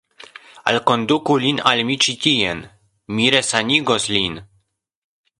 Alkonduku lin al mi ĉi tien; mi resanigos lin.